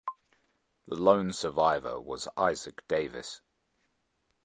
The lone survivor was Isaac Davis.